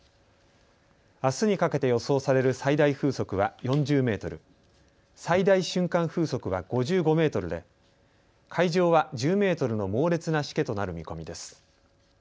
あすにかけて予想される最大風速は４０メートル、最大瞬間風速は５５メートルで海上は１０メートルの猛烈なしけとなる見込みです。